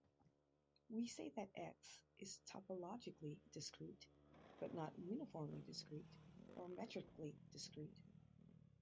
We say that "X" is "topologically discrete" but not "uniformly discrete" or "metrically discrete".